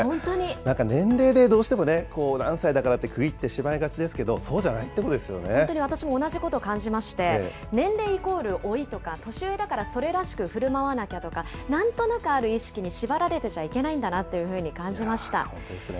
なんか年齢でどうしても何歳だからって区切ってしまいがちですけど、そうじゃないってことで本当に私も同じこと感じまして、年齢イコール老いとか、年上だからそれらしくふるまわなきゃとか、なんとなくある意識に縛られてちゃいけないんだなというふ本当ですね。